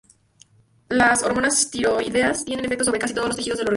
Las hormonas tiroideas tienen efectos sobre casi todos los tejidos del organismo.